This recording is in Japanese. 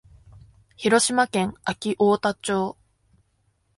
広島県安芸太田町